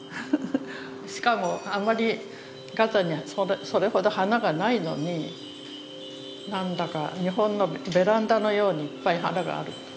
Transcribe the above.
しかもあまりガザにはそれほど花がないのになんだか日本のベランダのようにいっぱい花がある。